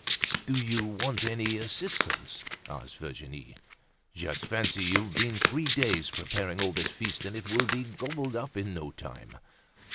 "Do you want any assistance?" asked Virginie. "Just fancy, you've been three days preparing all this feast and it will be gobbled up in no time."